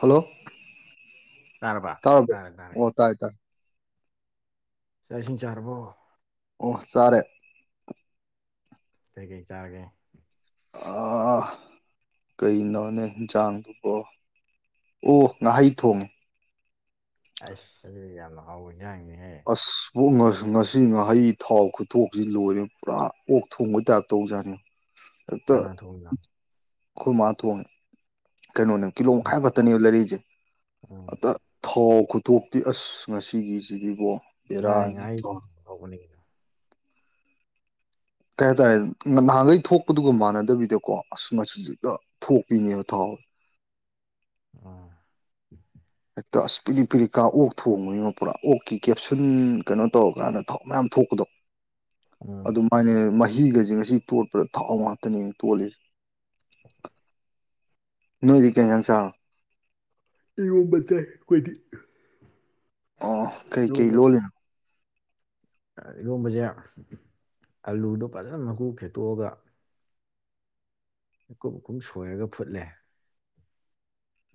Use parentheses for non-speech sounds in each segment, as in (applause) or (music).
hello ꯇꯥꯔꯕ ꯇꯥꯏꯔꯕ꯭ꯔꫭ ꯇꯥꯔꯦ ꯇꯥꯔꯦ ꯑꯣ ꯇꯥꯏ ꯇꯥꯏ ꯆꯥꯛ ꯏꯁꯤꯡ ꯆꯥꯔꯕꯣ ꯑꯣ ꯆꯔꯦ ꯀꯩꯀꯩ ꯆꯥꯔꯒꯦ ꯑꯥ ꯀꯩꯅꯣꯅꯦ ꯌꯦꯟꯁꯥꯡꯗꯨꯕꯣ ꯑꯣ ꯉꯍꯩ ꯊꯣꯡꯉꯦ ꯑꯁ ꯑꯗꯨꯗꯤ ꯌꯥꯝꯅ ꯍꯥꯎꯕ ꯌꯦꯟꯖꯥꯡꯅꯤ ꯍꯦ ꯑꯁ ꯑꯁꯣꯛ ꯉꯁꯤ ꯉꯍꯩ ꯊꯥꯎ ꯈꯨꯊꯣꯛꯁꯤ ꯂꯣꯏꯔꯦ ꯄꯨꯔꯥ ꯑꯣꯛ ꯊꯣꯡꯕ ꯇꯥꯏꯞ ꯇꯧꯖꯥꯠꯅꯤ ꯀꯅꯥ ꯊꯣꯡꯏꯅꫭ ꯑꯥꯈꫭꯏ ꯃꯥ ꯊꯣꯡ ꯀꯩꯅꯣꯅꯦꯕ ꯀꯤꯂꯣꯡ ꯃꯈꯥꯏ ꯃꯥ- ꯈꯛꯇꯅꯦꯕ ꯂꯩꯥꯔꯤꯛꯏꯁꯦ ꯎꯝ ꯑꯇ ꯊꯥꯎ ꯈꯨꯊꯣꯛꯇꯤ ꯑꯁ ꯉꯁꯤꯒꯤꯁꯤꯗꯤꯀꯣ ꯃ ꯉꯥꯏ ꯇꯧꯕꯅꯤ ꯀꯩ ꯍꯥꯏꯇꯥꯔꯦ ꯅꯍꯥꯟꯈꯩ ꯊꯣꯛꯄꯗꯨꯒ ꯃꯥꯟꯅꯗꯕꯤꯗꯀꯣ ꯑꯁ ꯉꯥꯁꯤ ꯁꯦ ꯍꯦꯛꯇ ꯊꯣꯛꯄꯤꯅꯦꯕ ꯊꯥꯎ ꯎꯝ ꯍꯦꯛꯇ ꯑꯁ ꯄꯤꯔꯤꯛ ꯄꯤꯔꯤꯛꯀꯥ ꯑꯣꯛ ꯊꯣꯡꯕꯅꯤꯅ ꯄꯨꯔꯥ ꯑꯣꯛꯀꯤ ꯀꯦꯞꯁꯤꯟ ꯀꯩꯅꯣ ꯇꯧꯔꯀꯥꯟꯗ ꯊꯥꯎ ꯃꯌꯥꯝ ꯊꯣꯛꯄꯗꯣ ꯎꯝ ꯑꯗꯨꯃꯥꯏꯅ ꯃꯍꯤꯒꯁꯦ ꯉꯁꯤ ꯇꯣꯠꯄꯗ ꯊꯥꯎ ꯉꯥꯛꯇꯅꯦ ꯇꯣꯜꯂꯤꯁ (unintelligible) ꯅꯣꯏꯗꯤ ꯀꯦ ꯌꯦꯖꯥꯟ ꯆꯥꯔꯕ ꯏꯔꫭꯟꯕ ꯆꯥꯏ ꯑꯩꯈꯣꯏꯗꯤ ꯑꯣ ꯀꯩꯀꯩ ꯂꯣꯜꯂꯤꯅꯣ ꯏꯔꯣꯟꯕꯁꯦ ꯑꯂꯨꯗꯣ ꯐꯖꯅ ꯃꯀꯨ ꯈꯦꯠꯇꯣꯛꯑꯒ ꯑꯀꯨꯞ ꯑꯀꯨꯞ ꯁꯣꯏꯔꯒ ꯐꯨꯠꯂꯦ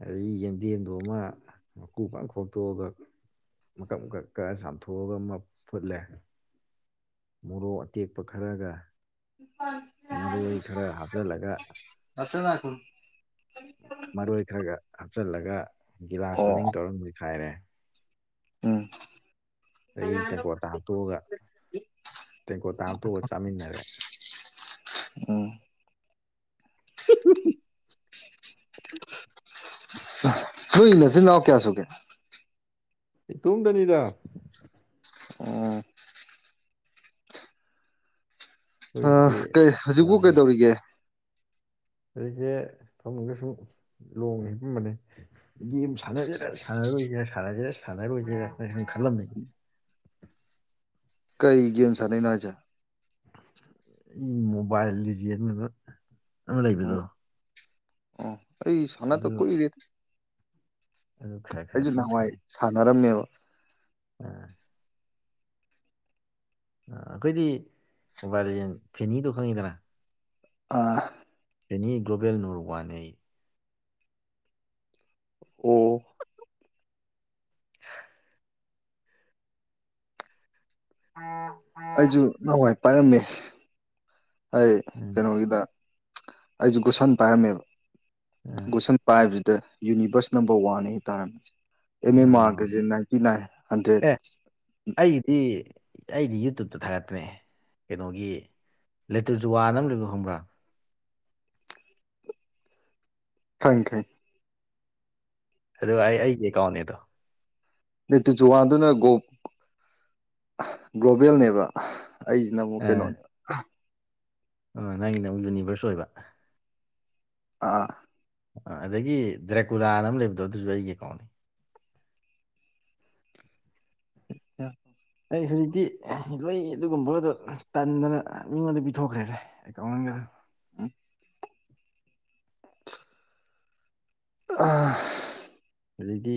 ꯑꯩ ꯌꯦꯟꯗꯦꯝꯗꯣ ꯑꯃ ꯃꯀꯨ ꯐꯥꯠ ꯈꯣꯇꯣꯛꯑꯒ ꯃꯀꯛ ꯃꯀꯛꯀ ꯆꯥꯝꯊꯣꯛꯑꯒ ꯑꯃ ꯐꯨꯠꯂꯦ ꯃꯣꯔꯣꯛ ꯑꯇꯦꯛꯄ ꯈꯔꯒ ꯃꯔꯣꯏ ꯈꯔ ꯍꯥꯞꯆꯜꯂꯒ UNINTELLIGIBLE ꯃꯔꯣꯏ ꯈꯔꯒ ꯍꯥꯞꯆꯤꯜꯂꯒ ꯒꯤꯂꯥꯁ ꯑꯣ ꯃꯅꯤꯡ ꯇꯧꯔꯝ ꯂꯣꯏꯈꯥꯏꯔꯦ ꯎꯝ ꯑꯩꯒꯤ ꯇꯦꯡꯀꯣꯠꯇꯥ ꯍꯥꯞꯇꯣꯛꯑꯒ ꯇꯦꯡꯀꯣꯠꯇꯥ ꯍꯥꯞꯇꯣꯛꯑꯒ ꯆꯥꯃꯤꯟꯅꯔꯦ ꯎꯝ ꯅꫭꯏ ꯅꯆꯤꯟꯅꯅꯥꯎ ꯀꯌꯥ ꯁꯨꯒꯦ ꯏꯇꫭꯝꯇꯅꯤꯗꯥ ꯎꯝ ꯑꯥ ꯑꯩꯈꯣꯏꯒꯤꯗꯤ ꯀꯩ ꯍꯧꯖꯤꯛꯄꯨ ꯀꯩꯗꯧꯔꯤꯒꯦ ꯑꯩꯖꯦ ꯐꯃꯨꯡꯗ ꯁꯨꯝ ꯂꫭꯡꯅ ꯍꯤꯄꯞꯕꯅꯦ ꯒꯦꯝ ꯁꯥꯟꯅꯖꯤꯔ ꯁꯥꯟꯅꯔꯣꯏꯖꯤꯔ ꯁꯥꯟꯅꯖꯤꯔ ꯁꯥꯟꯅꯔꯣꯏꯖꯤꯔ ꯈꯜꯂꯝꯃꯦꯅꯦ ꯀꯔꯤ ꯒꯦꯝ ꯁꯥꯟꯅꯩꯅꫭ ꯍꯥꯏꯖꯦ ꯑꯩ ꯃꯣꯕꯥꯏꯜ ꯂꯤꯖ ꯑꯃ ꯎꯝ ꯂꯩꯕꯗꯣ ꯑꯣ ꯑꯩ ꯁꯅꯥꯗ ꯑꯗꯨ ꯀꯥꯏꯔꯦ ꯑꯗꯨ ꯈꯔ ꯈꯔ ꯑꯩꯁꯨ ꯁꯨꯝ ꯋꯥꯏ ꯁꯥꯟꯅꯩ ꯁꯥꯟꯅꯔꯝꯃꯦꯕ ꯑꯥ ꯑꯩꯈꯣꯏꯗꯤ ꯃꯣꯕꯥꯏꯜ ꯂꯤꯖꯦꯟ ꯐꯦꯅꯤꯗꯣ ꯈꯪꯉꯤꯗꯅ ꯑꯥ ꯑꯦꯅꯤ ꯒ꯭ꯂꯣꯕꯦꯜ ꯅꯣꯔ ꯋꯥꯔꯅꯦ ꯑꯩ ꯑꫭ UNINTELLIGIBLE ꯑ (unintelligible) ꯑꯩꯖꯨ ꯅꯋꯥꯏ ꯄꯥꯏꯔꯝꯃꯦ ꯑꯩ ꯎꯝ ꯀꯩꯅꯣꯒꯤꯗ ꯑꯩꯖꯨ ꯒꯨꯁꯟ ꯄꯥꯏꯔꯝꯃꯦꯕ ꯎꯝ ꯒꯨꯁꯟ ꯄꯥꯏꯕꯖꯤꯗ ꯌꯨꯅꯤꯕꯔꯁ ꯅꯝꯕꯔ ꯋꯥꯟꯅꯤ ꯇꯥꯔꯝꯃꯤꯁꯦ ꯑꯦꯝ ꯑꯦꯝ ꯑꯥ ꯑꯥꯔꯒꯖꯦ ꯅꯥꯏꯟꯇꯤ ꯅꯥꯏꯟ ꯍꯟꯗ꯭ꯔꯦꯠ ꯑꯦ ꯑꯩꯒꯤꯗꯤ ꯑꯩꯗꯤ ꯌꯨꯇꯨꯞꯇ ꯊꯥꯒꯠꯄꯅꯦ ꯀꯩꯅꯣꯒꯤ ꯂꯦꯇ꯭ꯔꯖꯨꯋꯥꯅ ꯑꯃ ꯂꯩꯕꯗꫭ ꯈꯪꯕ꯭ꯔꯥ ꯈꯪꯉꯤ ꯈꯪꯉꯤ ꯑꯗꯣ ꯑꯩ ꯑꯩꯒꯤ ꯑꯦꯀꯥꯎꯟꯅꯦꯗꯣ ꯂꯦꯇꯤꯆꯨꯋꯥꯟꯗꯅ ꯒꫭ‌ ꯒꫭꯜꯕꯦꯜꯅꯦꯕ ꯑꯩ ꯅꯡꯃꯨꯛ ꯑꯥ ꯀꯩꯅꫭ ꯑꯥ ꯅꯪꯒꯤꯅ ꯑꯃꯨꯛ ꯌꯨꯅꯤꯚꯔꯁ ꯑꯣꯏꯕ ꯑꯥ ꯑ ꯑꯗꯒꯤ ꯗ꯭ꯔꯦꯀꯨꯔꯥꯅ ꯑꯃ ꯂꯩꯕꯗꯣ ꯑꯗꯨꯖꯨ ꯑꯩꯒꯤ ꯑꯦꯀꯥꯎꯅꯤ ꯑ (unintelligible) ꯑꯩ ꯍꯧꯖꯤꯛꯇꯤ ꯂꯣꯏ ꯑꯗꯨꯒꯨꯝꯕꯒꯗꯣ ꯇꯟꯗꯅ ꯃꯤꯉꯣꯟꯗ ꯄꯤꯊꯣꯛꯈ꯭ꯔꯦꯗ ꯑꯦꯀꯥꯎꯟꯒ (unintelligible) ꯑꯥ ꯍꯧꯖꯤꯛꯇꯤ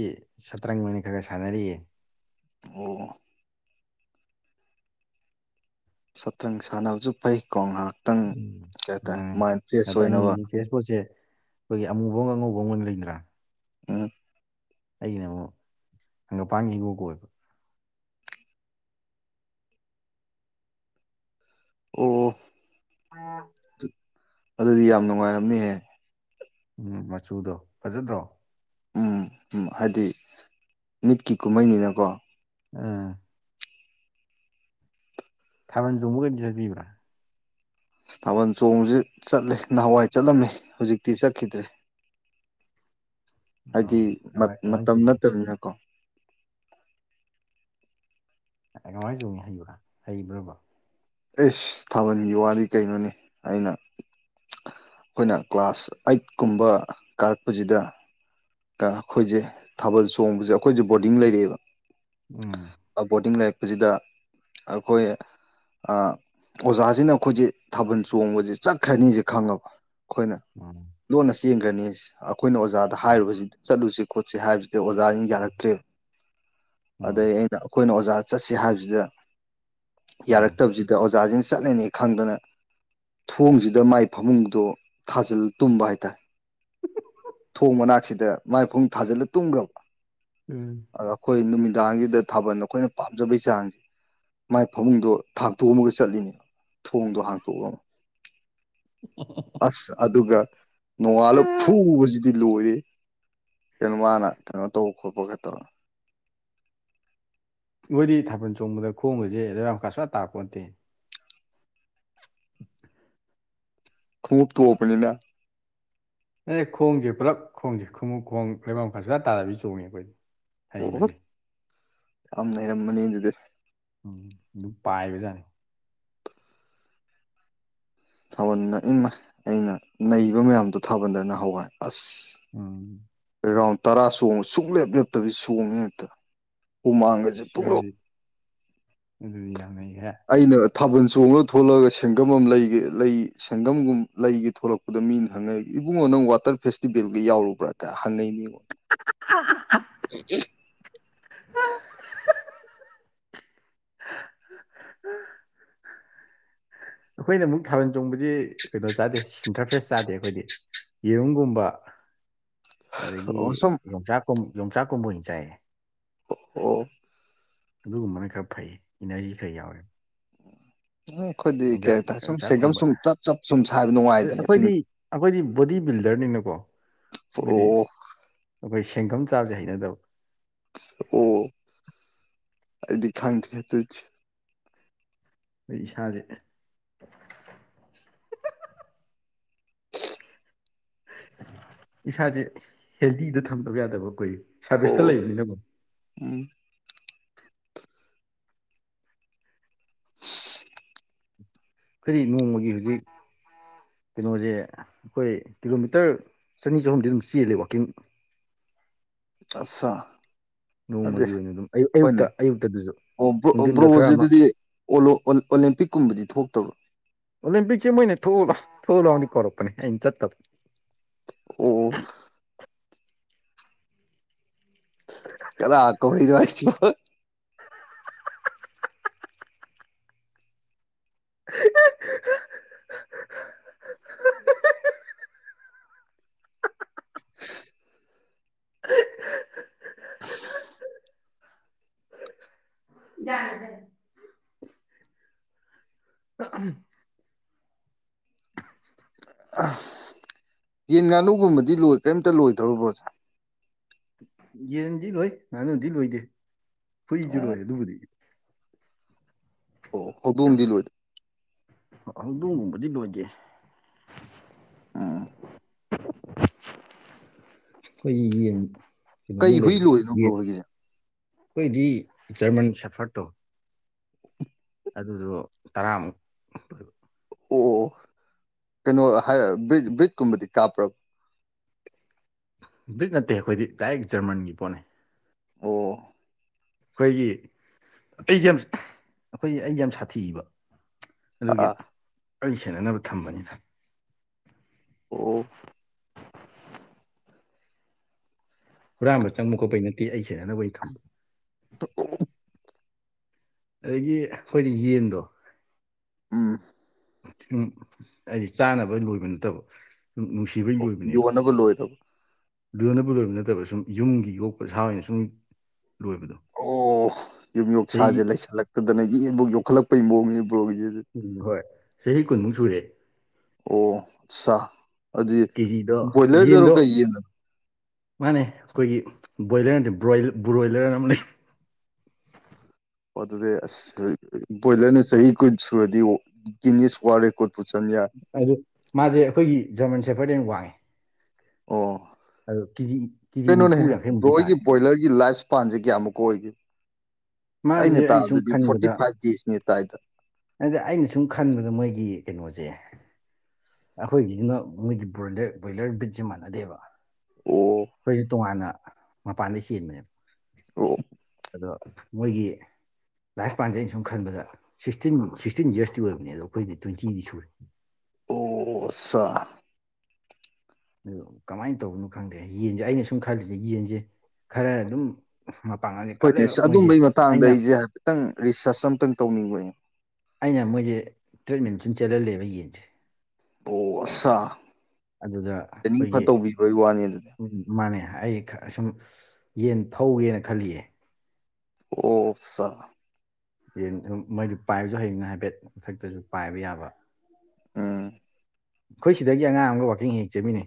ꯁꯠꯇ꯭ꯔꯡ ꯑꫭꯏꯅ ꯈꯔ ꯈꯔ ꯁꯥꯟꯅꯔꯤꯌꯦ ꯑꯣ ꯁꯇ꯭ꯔꯪ ꯁꯥꯟꯅꯕꯁꯨ ꯐꯩꯀꯣ ꯉꯥꯏꯍꯥꯛꯇꯪ ꯀꯩ ꯎꯝ ꯍꯥꯏꯇꯥꯔꯦ ꯃꯥꯏꯟ ꯐ꯭ꯔꯦꯁ ꯑꯣꯏꯅꯕ ꯄꯣꯠꯖꯦ ꯑꯩꯈꯣꯏꯒꯤ ꯑꯃꯨꯕ ꯑꯃ ꯑꯉꯧꯕ ꯑꯃ ꯑꯣꯏꯅ ꯂꯩꯗꯅ ꯎꯝ ꯑꯩꯒꯤꯅ ꯑꯃꯨꯛ ꯍꯪꯒꯄꯥꯡ ꯍꯤꯡꯒꯣꯛ ꯀ ꯑꯣꯏꯕ ꯑꯣ (unintelligible) ꯑꯗꯨꯗꯤ ꯌꯥꯝ ꯅꯨꯡꯉꯥꯏꯔꯝꯅꯤꯍꯦ ꯎꯝ ꯃꯆꯨꯗꯣ ꯐꯖꯗ꯭ꯔꯣ ꯎꯝ ꯎꯝ ꯍꯥꯏꯗꯤ ꯃꯤꯠꯀꯤ ꯀꯨꯝꯍꯩꯅꯤꯅꯀꯣ ꯎꯝ ꯊꯥꯕꯜ ꯆꯣꯡꯕꯒꯗꯤ ꯆꯠꯄꯤꯕꫪ ꯊꯥꯕꯜ ꯆꯣꯡꯕꯖꯤ ꯆꯠꯂꯦ ꯅꯍꯥꯟꯋꯥꯏ ꯆꯠꯂꯝꯃꯤ ꯍꯧꯖꯤꯛꯇꯤ ꯆꯠꯈꯤꯗ꯭ꯔꯦ ꯑꯣ ꯍꯥꯏꯗꯤ ꯃꯠ ꯀꯃꯥꯏ ꯀꯃꯥꯏꯅ ꯃꯇꯝ ꯆꯣꯡꯉꯤ ꯅꯠꯇꯃꯤꯅ (unintelligible) ꯍꯩꯕ꯭ꯔꯥ ꯍꯩꯕ꯭ꯔꯕ ꯑꯦꯁ ꯊꯥꯕꯜꯒꯤ ꯋꯥꯗꯤ ꯀꯩꯅꯣꯅꯤ ꯑꯩꯅ ꯑꯩꯈꯣꯏꯅ ꯀ꯭ꯂꯥꯁ ꯑꯩꯠ ꯀꯨꯝꯕ ꯀꯥꯔꯛꯄꯁꯤꯗ ꯇ ꯑꯩꯈꯣꯏꯁꯦ ꯊꯥꯕꯜ ꯆꯣꯡꯕꯁꯦ ꯑꯩꯈꯣꯏꯁꯦ ꯕꯣꫪꯗꯤꯡ ꯂꯩꯔꯛꯑꯦꯕ ꯎꯝ ꯕꯣꯔꯗꯤꯡ ꯂꯩꯔꯛꯄꯁꯤꯗ ꯑꯩꯈꯣꯏ ꯑꯣꯖꯥꯁꯤꯅ ꯑꯩꯈꯣꯏꯁꯦ ꯊꯥꯕꯜ ꯆꯣꯡꯕꯕꯁꯤ ꯆꯠꯈ꯭ꯔꯅꯤꯁꯦ ꯈꯪꯂꯉꯕ ꯑꯩꯈꯣꯏꯅ ꯎꯝ ꯂꯣꯟꯅ ꯆꯦꯟꯒ꯭ꯔꯅꯤ ꯑꯩꯈꯣꯏꯅ ꯑꯣꯖꯥꯗ ꯎꯝ ꯍꯥꯏꯔꯨꯕꯖꯤꯗꯤ ꯆꯠꯂꯨꯁꯤ ꯈꯣꯠꯁꯤ ꯍꯥꯏꯕꯁꯤ ꯑꯣꯖꯥꯖꯤꯡꯅ ꯌꯥꯔꯛꯇ꯭ꯔꯦ ꯎꯝ ꯑꯗꯩ ꯑꯩꯅ ꯑꯩꯈꯣꯏꯅ ꯑꯣꯖꯥ ꯆꯠꯁꯤ ꯍꯥꯏꯕꯁꯤꯗ ꯎꯝ ꯌꯥꯔꯛꯇꯕꯖꯤꯗ ꯑꯣꯖꯥꯖꯤꯡ ꯆꯠꯂꯅꯤ ꯈꯪꯗꯅ ꯊꯣꯡꯖꯤꯗ ꯃꯥꯏ ꯐꯃꯨꯡꯗꯣ ꯊꯥꯖꯤꯜ ꯇꯨꯝꯕ ꯍꯥꯏꯇꯥ ꯊꯣꯡ ꯃꯅꯥꯛꯁꯤꯗ ꯃꯥꯏꯐꯃꯨꯡ ꯊꯥꯖꯤꯜꯂ ꯇꯨꯝꯒ꯭ꯔꯕ ꯎꯝ ꯑ ꯑꯩꯈꯣꯏ ꯅꯨꯃꯤꯗꯥꯡꯖꯤꯗ ꯊꯥꯕꯜ ꯑꯩꯈꯣꯏꯅ ꯄꯥꯝꯖꯕꯩ ꯆꯥꯡ ꯃꯥꯏ ꯐꯃꯨꯡꯗꯣ ꯍꯥꯡꯇꯣꯛꯑꯃꯒ ꯆꯠꯂꯤꯅꯦꯕ ꯊꯣꯡꯗꯣ ꯍꯥꯡꯇꯣꯛꯑ ꯑꯃ (unintelligible) ꯑꯁ ꯑꯗꯨꯒ ꯅꯣꯡꯉꯥꯜꯂꯒ ꯐꯨꯕꯁꯤꯗꯤ ꯂꯣꯏꯔꯦ ꯀꯩꯅꯣ ꯃꯥꯅ ꯀꯩꯅꯣ ꯇꯧꯕ ꯈꯣꯠꯄ ꯈ ꯇꯧꯔꯣ ꯃꯣꯏꯗꯤ ꯊꯥꯕꯜ ꯆꯣꯡꯕꯗ ꯈꯣꯡꯒꯁꯦ ꯂꯩꯕꯥꯛ ꯃꯈꯥ ꯁꯨꯋꯥ ꯇꯥꯛꯄꯣꯠꯇꯦ (inaudible) ꯈꯨꯉꯨꯞ ꯇꫭꯞꯄꯅꯤꯅ ꯑꯦ ꯈꯣꯡꯁꯦ ꯄꯨꯂꯞ ꯈꯣꯡꯁꯦ ꯈꯣꯡꯎꯞ ꯈꯣꯡ ꯂꯩꯕꯥꯛ ꯃꯈꯔꯁꯨꯂ ꯇꯥꯔꯕꯤ ꯆꯣꯡꯉꯦ ꯑꯩꯈꯣꯏꯗꯤ ꯍꯩꯕꯁꯦ (unintelligible) ꯌꯥꯝ ꯅꯩꯔꯝꯃꯅꯤ ꯑꯗꯨꯗꯤ ꯎꯝ ꯑꯗꯨꯝ ꯄꯥꯏꯕꯖꯥꯠꯅꯤ ꯊꯥꯕꯜꯅ ꯏꯃ ꯑꯩꯅ ꯅꯩꯕ ꯃꯌꯥꯝꯗꯣ ꯊꯥꯕꯜꯗꯅ ꯍꯋꯥꯏ ꯑꯁ ꯎꯝ ꯔꯥꯎꯟ ꯇꯔꯥ ꯁꯣꯡꯕ ꯁꯨꯡꯛꯂꯦꯞ ꯂꯦꯞꯇꯕꯤꯗꯤ ꯁꯣꯡꯉꯦ ꯍꯦꯞꯇ ꯏꯁ ꯑꯗꯨꯗꯤ ꯑꯗꯨꯗꯤ ꯌꯥꯝ ꯅꯩꯈ꯭ꯔꯦ ꯑꯩꯅ ꯊꯥꯕꯜ ꯆꯣꯡꯉꯒ ꯊꯣꯛꯣꯂꯛꯑꯒ ꯁꯦꯡꯒꯝ ꯑꯃ ꯂꯩꯒꯦ ꯂꯩ ꯁꯪꯒꯝꯒꯨꯝ ꯂꯩꯒꯦ ꯊꯣꯛꯂꯛꯄꯗ ꯃꯤꯅ ꯍꯪꯉꯛꯏ ꯏꯕꯨꯡꯉꯣ ꯅꯪ ꯋꯥꯇꯔ ꯐꯦꯁꯇꯤꯕꯦꯜꯒ ꯌꯥꯎꯔꯨꯕ꯭ꯔꯥ ꯀꯥꯏ ꯍꯟꯅꯩ (unintelligible) (unintelligible) (unintelligible) (unintelligible) ꯑꯩꯈꯣꯏꯅ ꯑꯃꯨꯛ ꯊꯥꯕꯜ ꯆꯣꯡꯕꯁꯤ ꯀꯩꯅꯣ ꯆꯥꯗꯦ ꯁꯤꯟꯊ꯭ꯔꯥ ꯐꯦꯁ ꯆꯥꯗꯦ ꯑꯩꯈꯣꯏꯗꯤ ꯌꯦꯔꯨꯝꯒꯨꯝꯕ ꯑꯗꯒꯤ ꯑꯣ ꯁꯨꯝ ꯌꯣꯡꯆꯥꯛ ꯌꯣꯡꯆꯥꯛ ꯀꯨꯝꯕ ꯑꯣꯏꯅ ꯆꯥꯏꯌꯦ ꯑꯣ ꯑꯗꯨꯒꯨꯝꯕꯅ ꯈꯔ ꯐꯩ ꯏꯅꯔꯖꯤ ꯈꯔ ꯌꯥꯎꯋꯦ ꯎꯝ ꯑꯩꯈꯣꯏꯗꯤ ꯀꯩ ꯌꯣꯡꯆꯥꯛ ꯍꯥꯏꯇꯥꯔꯦ ꯁꯨꯝ ꯁꯦꯡꯒꯝ ꯌꯣꯡꯆꯥꯛꯀꯨꯝꯕ ꯁꯨꯝ ꯑ- ꯆꯞ ꯆꯞ ꯁꯨꯝ ꯁꯥꯏꯕ ꯅꯨꯡꯉꯥꯏꯗꯅꯦ ꯁꯤ ꯑꯩꯈꯣꯏꯗꯤ ꯑꯩꯈꯣꯏꯗꯤ ꯕꯣꯗꯤ ꯕꯤꯜꯗꯔꯅꯤꯅꯀꯣ ꯃꯣꯏꯗꯤ ꯑꯣ ꯑꯩꯈꯣꯏ ꯁꯦꯟꯐꯝꯝ ꯆꯥꯕꯁꯦ ꯍꯩꯅꯗꯕ ꯑꯣ ꯑꯩꯗꯤ ꯈꯪꯗꯦꯍꯦ ꯑꯗꯨꯗꯤ ꯑꯩ ꯏꯁꯥꯁꯦ ꯏꯁꯥꯁꯦ ꯍꯦꯜꯗꯤꯗ ꯊꯝꯗꯕ ꯌꯥꯗꯕ ꯑꯩꯈꯣꯏ ꯁꯥꯔꯚꯤꯁꯇ ꯑꯣ ꯂꯩꯕꯅꯤꯅꯀꯣ ꯎꯝ (inaudible) ꯈꫭꯏꯗꯤ ꯅꯣꯡꯃꯒꯤ ꯍꯨꯖꯤꯛ ꯀꯩꯅꯣꯁꯦ ꯑꯩꯈꯣꯏ ꯀꯤꯂꯣꯃꯤꯇꯔ ꯆꯅꯤ ꯆꯍꯨꯝꯗꯤ ꯑꯗꯨꯝ ꯆꯦꯜꯂꯦ ꯋꯥꯛꯀꯤꯡ ꯑꯞꯁꯥ ꯅꯣꯡꯃꯒꯤ ꯑꯗꯨꯗꯤ ꯑꯣꯏꯅ ꯑꯗꯨꯝ ꯑꯌꯨꯛ ꯍꯣꯏꯅꯦ ꯑꯌꯨꯛꯇ ꯑꯌꯨꯛꯇꯗꯨꯁꯨ ꯑꯣ ꯅꯨꯡꯊꯤꯟꯗ ꯈꯔ ꯕ꯭ꯔꯣꯁꯤ ꯑꯃ ꯑꯗꯨꯗꯤ ꯑꯣꯂꯦꯝꯄꯤꯛꯀꯨꯝꯕꯗꯤ ꯊꯣꯛꯇꯕ꯭ꯔꯣ ꯑꯣꯂꯦꯝꯄꯤꯛꯁꯦ ꯃꯣꯏꯅ ꯊꯣꯛ ꯂꯥꯎ ꯊꯣꯛ ꯂꯥꯎꯗꯤ ꯀꯧꯔꯛꯄꯅꯦ ꯑꯩꯅ ꯆꯠꯇꯕ ꯑꯣ ꯀꯅꯥ ꯀꯣꯔꯛ ꯏ ꯅꯣ ꯍꯥꯏꯁꯤꯕꯣ (unintelligible) (unintelligible) (unintelligible) (unintelligible) (unintelligible) ꯌꯦꯟ ꯉꯥꯅꯨꯒꯨꯝꯕꯗꯤ ꯂꯣꯏ ꯀꯔꯤꯝꯇ ꯂꯣꯏꯗꯕ꯭ꯔꯣ ꯕ꯭ꯔꫭꯖꯦ ꯌꯦꯟꯗꯤ ꯂꯣꯏ ꯉꯥꯅꯨꯗꯤ ꯂꯣꯏꯗꯦ ꯍꯨꯏꯁꯨ ꯑꯣ ꯂꯣꯏ ꯑꯗꯨꯕꯨꯗꯤ ꯑꯣ ꯍꯧꯗꯣꯛꯑꯝꯗꯤ ꯂꯣꯏꯗ ꯑꯣ ꯍꯧꯗꯣꯡꯒꯨꯝꯕꯗꯤ ꯂꯣꯏꯗꯦ ꯎꯝ ꯑꯩꯈꯣꯏꯒꯤ ꯌꯦꯟ ꯀꯩ ꯀꯩꯅꯣꯃꯨꯛ ꯍꯨꯏ ꯂꯩꯌꯦ ꯂꯣꯏꯅꯣ ꯕ꯭ꯔꯣ ꯌꯦꯟ ꯍꯣꯏꯒꯤ ꯑꯩꯈꯣꯏꯗꯤ ꯖꯔꯃꯟ ꯁꯐꯔꯠ ꯇꫭ ꯑꯗꯨꯗꯣ ꯇꯔꯥꯃꯨꯛ ꯑꯣꯏꯕ ꯑꯣ ꯀꯩꯅꯣꯕ꯭ꯔꯤ ꯕ꯭ꯔꯤꯖꯀꯨꯝꯕꯗꯤ ꯀꯥꯞꯄ꯭ꯔ ꯕ꯭ꯔꯤꯛ ꯅꯠꯇꯦ ꯑꯩꯈꯣꯏ ꯗꯥꯏꯔꯦꯛ ꯖꯔꯃꯟꯒꯤ ꯄꯣꯠꯅꯦ ꯑꯣ ꯑꯩꯈꯣꯏꯒꯤ ꯑꯩꯁꯦ ꯌꯥꯝ ꯑꯩꯈꯣꯏꯒꯤ ꯑꯩꯁꯦ ꯌꯥꯝ ꯁꯥꯊꯤꯕ ꯑꯗꯨꯒꯤ ꯑꯥ ꯑꯩ ꯁꯦꯟꯅꯅꯕ ꯊꯝꯕꯅꯤꯅ ꯑꯣ ꯍꯨꯔꯥꯟꯕ ꯆꯪꯕ ꯈꯣꯠꯄꯩ ꯅꯠꯇꯦ ꯑꯩ ꯁꯦꯠꯅꯅꯕꯩ ꯊꯝꯕ (inaudible) ꯑꯗꯒꯤ ꯑꯩꯈꯣꯏꯗꯤ ꯌꯦꯟꯗꯣ ꯎꯝ ꯁꯨꯝ ꯍꯥꯏꯗꯤ ꯆꯥꯅꯕ ꯂꯣꯏꯕ ꯅꯠꯇꯕ ꯁꯨꯝ ꯅꯨꯡꯁꯤ ꯁꯤꯕꯩ ꯂꯣꯏꯕꯅꯦꯕ ꯌꯣꯟꯅꯕ ꯂꯣꯏꯔꯕ ꯂꯣꯏꯅꯕꯨ ꯂꯣꯏꯕ ꯅꯠꯇꯕ ꯁꯨꯝ ꯌꯨꯝꯒꯤ ꯌꯣꯛꯄ ꯁꯥ ꯑꯣꯏꯅ ꯁꯨꯝ ꯂꯣꯏꯕꯗꯣ ꯑꯣ ꯌꯨꯝ ꯆꯍꯤ ꯌꯣꯛꯁꯥꯁꯦ ꯂꯩꯁꯜꯂꯛꯇꯗꯅ ꯌꯦꯐꯧ ꯌꯣꯛꯈꯠꯂꯛꯄꯩ ꯃꯑꯣꯡꯅꯤ ꯕ꯭ꯔꯣꯒꯤꯁꯤꯦꯗꯤ ꯎꯝ ꯍꯣꯏ ꯆꯍꯤ ꯀꯨꯟꯃꯨꯛ ꯁꯨꯔꯦ ꯑꯣ ꯑꯠ ꯁꯥ ꯑꯗꯨꯗꯤ ꯀꯦꯖꯤꯗꯣ ꯕꯣꯏꯂꯔꯗꯔꯣ ꯌꯦꯟꯗꯣ ꯀꯩ ꯌꯦꯗꯅꯣ ꯃꯥꯅꯦ ꯑꯩꯈꯣꯏꯒꯤ ꯕ꯭ꯔꯣꯏꯂꯔ ꯅꯠꯇꯦ ꯕ꯭ꯔꯣꯏꯂꯔ ꯑꯃ ꯂꯩ ꯑꯣ ꯑꯗꯨꯗꯤ ꯑꯁ ꯕꯣꯏꯂꯔꯅ ꯆꯍꯤ ꯀꯨꯟ ꯁꯨꯔꯗꯤ ꯖꯤꯅꯤꯌꯁ ꯋꯥꯜ ꯔꯦꯀꯩꯠꯄꯨ ꯆꯜ ꯌꯥꯏ ꯑꯗꯨ ꯃꯥꯗꯤ ꯑꯩꯈꯣꯏꯒꯤ ꯖꯔꯃꯟ ꯁꯦꯐꯔꯗꯩ ꯍꯦꯅ ꯋꯥꯡꯉꯤ ꯑꯣ ꯀꯦꯖꯤ ꯀꯦꯖꯤ ꯀꯩꯅꯣꯅꯦ ꯅꯤꯐꯨ ꯌꯥꯡꯈꯩꯃꯨꯛꯇꯤ ꯕꯣꯏꯒꯤ ꯇꯥꯔꯦ ꯕꯣꯏꯂꯔꯒꯤ ꯂꯥꯏꯁ ꯃꯄꯥꯟꯁꯦ ꯀꯌꯥꯃꯨꯛꯀ ꯑꯣꯏꯒꯦ ꯃꯥꯁꯦ ꯑꯩꯅ ꯁꯨꯝ ꯇꯥꯕꯗꯨꯗꯤ ꯐꯣꯔꯇꯤ ꯈꯟꯕꯗ ꯐꯥꯏꯚ ꯗꯦꯖꯅꯦ ꯇꯥꯏꯗ ꯑꯗ ꯑꯩꯅ ꯁꯨꯝ ꯈꯟꯕꯗ ꯃꯣꯏꯒꯤ ꯀꯩꯅꯣꯁꯦ ꯑꯩꯈꯣꯏꯒꯤꯁꯤꯅ ꯃꯣꯏꯒꯤ ꯕ ꯕ꯭ꯔꯣꯏꯂꯔ ꯕ꯭ꯔꯤꯠꯁꯦ ꯃꯥꯟꯅꯗꯦꯕ ꯑꯣ ꯑꯩꯈꯣꯏꯁꯨ ꯇꯣꯉꯥꯟꯅ ꯃꯄꯥꯟꯗ ꯆꯦꯟꯕꯅꯦꯕ ꯑꯣ ꯑꯗꯣ ꯃꯣꯏꯒꯤ ꯂꯥꯏꯁ ꯄꯥꯟꯖ ꯑꯩꯅ ꯁꯨꯝ ꯈꯟꯕꯗ ꯁꯤꯛꯇꯤꯟ ꯁꯤꯛꯁꯇꯤꯟ ꯌꯔꯁꯇ ꯑꯣꯏꯕꯅꯦ ꯑꯗ ꯑꯩꯈꯣꯏꯗꯤ ꯇ꯭ꯋꯦꯟꯇꯤꯗꯤ ꯁꯨꯔꯦ ꯑꯣꯁꯥ ꯑꯗꯨ ꯀꯃꯥꯏꯅ ꯇꯧꯕꯅꯣ ꯈꯪꯗꯦ ꯌꯦꯟꯁꯦ ꯑꯩꯅ ꯁꯨꯝ ꯈꯜꯂꯤꯁꯦ ꯌꯦꯟꯁꯦ ꯈꯔ ꯑꯗꯨꯝ ꯃ ꯄꯥꯡꯉꯅꯤ ꯍꯣꯏꯅꯦ ꯑꯗꯨꯝꯕꯒꯤ ꯃꯇꯥꯡꯗ ꯑꯩꯁꯦ ꯍꯥꯏꯐꯦꯠꯇꯪ ꯔꯤꯁꯔꯁ ꯑꯇꯪ ꯇꯧꯅꯤꯡꯕꯅꯦ ꯑꯩꯅ ꯃꯣꯏꯁꯦ ꯇꯔꯦꯠꯃꯤꯟ ꯁꯨꯝ ꯆꯦꯜꯍꯜꯂꯦꯕ ꯌꯦꯟꯁꯦ ꯑꯣ ꯑꯁꯥ ꯑꯗꯨꯗ ꯇ꯭ꯔꯦꯅꯤꯡ ꯐ ꯑꯩꯈꯣꯏꯒꯤ ꯇꯧꯕꯤꯕꯒꯤ ꯋꯥꯅꯤ ꯑꯗꯨꯗꯤ ꯎꯝ ꯃꯥꯅꯦ ꯑꯩ ꯁꯨꯝ ꯌꯦꯟ ꯊꯧꯒꯦꯅ ꯈꯜꯂꯤꯌꯦ ꯑꯣꯁ ꯌꯦꯟ ꯃꯣꯏꯗꯨ ꯄꯥꯏꯕꯁꯨ ꯍꯌꯦꯡꯅ ꯍꯥꯏꯐꯦꯠ ꯃꯊꯛꯇꯁꯨ ꯄꯥꯏꯕ ꯌꯥꯕ ꯎꯝ ꯑꯩꯈꯣꯏ ꯁꯤꯗꯒꯤ ꯑꯉꯥꯡ ꯑꯃꯒ ꯋꯥꯥꯛꯀꯤꯡ ꯍꯦꯛ ꯆꯠꯃꯤꯅꯦ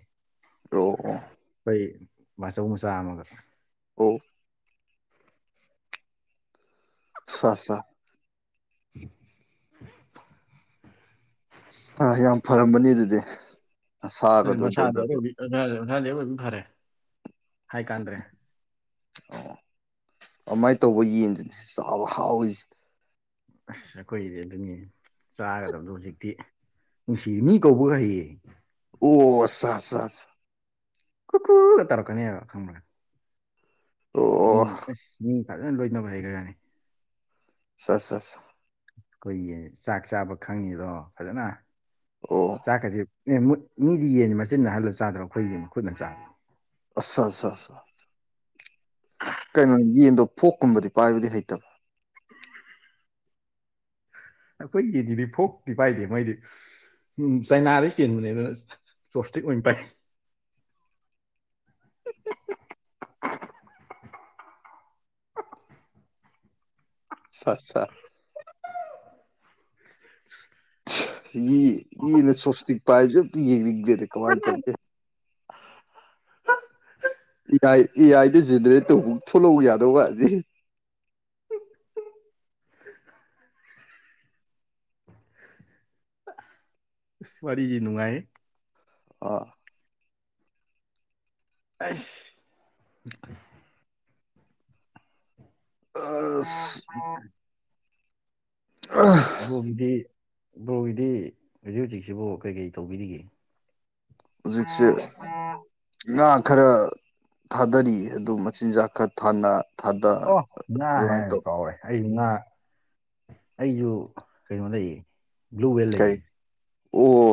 ꯑꯣ ꯑꯣ ꯑꯩꯈꯣꯏ ꯃꯆꯧ ꯃꯆꯥ ꯑꯃꯒ ꯑꯣ ꯁꯥ (inaudible) ꯑ ꯌꯥꯝ ꯐꯔꯝꯕꯅꯤ ꯑꯗꯨꯗꯤ ꯑꯗꯨꯗꯤ ꯁꯥꯒꯗꯣ ꯃꯁꯥꯗꯤ ꯕꯣꯏꯂꯔꯗꯣ ꯑꯔꯣꯏꯕꯤ ꯃꯁꯥꯗꯤ ꯑꯩꯔꯣꯏꯕꯤ ꯐꯔꯦ ꯍꯥꯏꯀꯥꯟꯗ꯭ꯔꯦ ꯑꯣ ꯑꯗꯨꯃꯥꯏꯅ ꯇꯧꯕ ꯌꯦꯟꯁꯤꯅꯦ ꯆꯥꯕ ꯍꯥꯎꯔꯤꯁꯦ ꯑꯁ ꯑꯩꯈꯣꯏꯗꯤ ꯑꯗꯨꯅꯤ ꯆꯥꯒꯗꯕꯗꯣ ꯍꯧꯖꯤꯛꯇꯤ ꯅꯨꯡꯁꯤꯌꯦ ꯃꯤ ꯀꯧꯕꯒ ꯍꯩꯌꯦ ꯑꯣ ꯁꯥ ꯁꯥ ꯁꯥ ꯀꯨ ꯀꯨ ꯒ ꯇꯧꯔꯛꯀꯅꯤꯕ ꯈꯪꯕ꯭ꯔꯥ (unintelligible) ꯃꯤ ꯑꯁ ꯃꯤ ꯐꯖꯅ ꯂꯣꯏꯅꯕ ꯍꯩꯈ꯭ꯔꯥꯅꯤ ꯁꯥ ꯁꯥ ꯑꯩꯈꯣꯏꯒꯤ ꯆꯥꯛ ꯆꯥꯕ ꯈꯪꯉꯤꯗꯣ ꯐꯖꯅ ꯑꯣ ꯆꯥꯛꯀꯁꯦ ꯑꯦ ꯃꯨꯠ ꯃꯤꯗꯤ ꯌꯦꯟꯅꯤ ꯃꯆꯤꯟꯅ ꯍꯜꯂꯒ ꯆꯥꯗ꯭ꯔꯣ ꯑꯩꯈꯣꯏꯒꯤ ꯈꯨꯠꯅ ꯆꯥꯏ ꯑꯆꯥ ꯑꯆꯥ ꯑꯆꯥ ꯀꯩꯅꯣ ꯌꯦꯟꯗꯣ ꯐꯣꯛ ꯀꯨꯝꯕꯗꯤ ꯄꯥꯏꯕꯗꯤ ꯍꯩꯇꯕ ꯑꯩꯈꯣꯏꯒꯤꯗꯤꯗꯤ ꯐꯣꯛꯇꯤ ꯄꯥꯏꯗꯦ ꯃꯣꯏꯗꯤ ꯎꯝ ꯆꯥꯏꯅꯥꯗꯩ ꯆꯦꯟꯕꯅꯦ ꯑꯗꯨꯅ ꯆꯣꯞꯁꯇꯤꯛ ꯑꯣꯏꯅ ꯄꯥꯏ ꯑꯁꯥ ꯌꯦ ꯌꯦꯟꯅ ꯆꯣꯞꯁꯇꯤꯛ ꯄꯥꯏꯕꯁꯦ ꯑꯝꯇ ꯌꯦꯡꯅꯤꯡꯒꯔ꯭ꯦꯗ ꯀꯃꯥꯏꯅ ꯇꯧꯒꯦ ꯑꯦ ꯑꯥꯏ ꯑꯦ ꯑꯥꯏꯗ ꯖꯦꯅꯦꯔꯦꯠ ꯇꯧꯕꯧ ꯊꯣꯛꯂꯛꯎ ꯌꯥꯗꯧ ꯃꯥꯟꯗꯦ ꯏꯁ ꯋꯥꯔꯤꯗꯤ ꯅꯨꯡꯉꯥꯏ ꯑ ꯑꯁ (unintelligible) (unintelligible) ꯕꯔꯣꯒꯤꯗꯤ ꯕꯔꯣꯒꯤꯗꯤ ꯍꯧꯖꯤꯛ ꯍꯧꯖꯤꯛꯁꯤꯕꯣ ꯀꯩꯀꯩ ꯇꯧꯕꯤꯔꯤꯒꯦ ꯍꯧꯖꯤꯛꯁꯦ ꯉꯥ ꯈꯔ ꯊꯥꯗꯔꯤ ꯑꯗꯨ ꯃꯆꯤꯟꯖꯥꯛ ꯈꯔ ꯊꯥꯅ ꯊꯥꯗ ꯑꯣ ꯉꯥ ꯑꯗꯨꯃꯥꯏꯅ ꯍꯥꯏꯔꯒ ꯇꯧ ꯀꯥꯎꯔꯦ ꯑꯩꯁꯨ ꯉꯥ ꯑꯩꯁꯨ ꯀꯩꯅꯣ ꯂꯩꯌꯦ ꯕ꯭ꯂꯨ ꯚꯦꯜ ꯂꯩꯌꯦ ꯀꯔꯤ ꯑꯣ